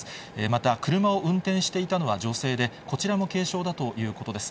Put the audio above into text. また車を運転していたのは女性で、こちらも軽傷だということです。